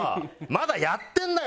まだやってんだよ！